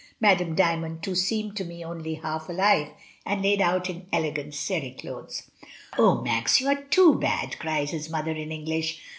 Madame Dymond too seemed to me only half alive, and laid out in elegant cere clothes." "Oh, Max, you are too bad!" cries his mother, in English.